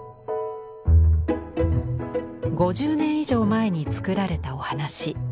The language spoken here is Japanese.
５０年以上前に作られたお話。